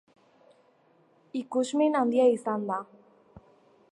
Ikusmin handia izan da.